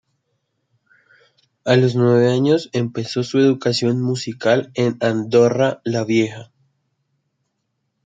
A los nueve años empezó su educación musical en Andorra la Vieja.